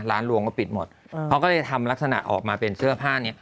ลวงก็ปิดหมดเขาก็เลยทำลักษณะออกมาเป็นเสื้อผ้าเนี้ย